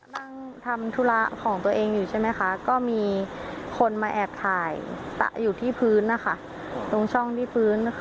นั่งทำธุระของตัวเองอยู่ใช่ไหมคะก็มีคนมาแอบถ่ายตะอยู่ที่พื้นนะคะตรงช่องที่พื้นนะคะ